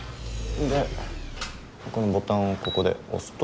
でこのボタンをここで押すと。